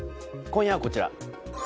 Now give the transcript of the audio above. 今夜はこちら。